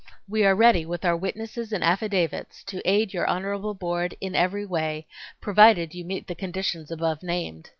We are ready with our witnesses and affidavits to aid your honorable board in every way, provided you meet the conditions above named.